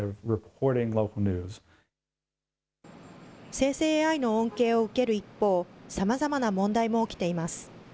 生成ＡＩの恩恵を受ける一方、さまざまな問題も起きています。